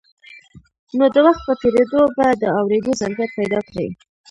نو د وخت په تېرېدو به د اورېدو ظرفيت پيدا کړي.